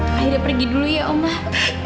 aida pergi dulu ya omah